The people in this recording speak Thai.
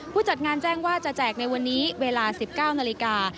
จัดงานแจ้งว่าจะแจกในวันนี้เวลา๑๙นาฬิกา